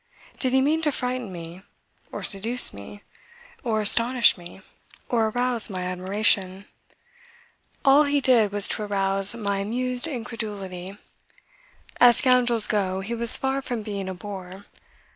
Did he mean to frighten me? Or seduce me? Or astonish me? Or arouse my admiration? All he did was to arouse my amused incredulity. As scoundrels go he was far from being a bore.